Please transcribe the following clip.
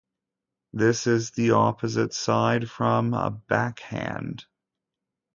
This is the opposite side from a "backhand".